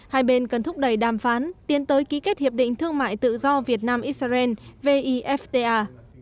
hai bên cần thúc đẩy đàm phán tiến tới ký kết hiệp định thương mại tự do việt nam israel vifta